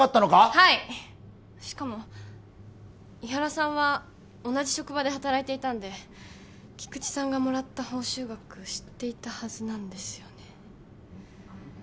はいしかも井原さんは同じ職場で働いていたんで菊池さんがもらった報酬額知っていたはずなんですよね